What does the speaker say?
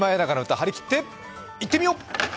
張り切っていってみよう！